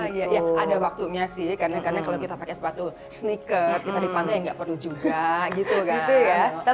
iya iya iya ada waktunya sih karena kalau kita pakai sepatu sneaker kita dipantai gak perlu juga gitu kan